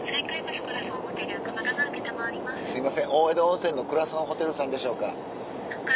すいません大江戸温泉のコラソンホテルさんでしょうか。